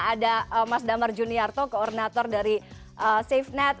ada mas damar juniarto koordinator dari safenet